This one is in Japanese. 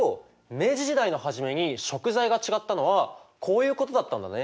明治時代の初めに食材が違ったのはこういうことだったんだね。